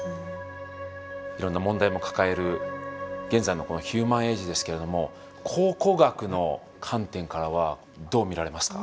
いろんな問題も抱える現在のこのヒューマン・エイジですけれども考古学の観点からはどう見られますか？